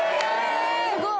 ・すごい！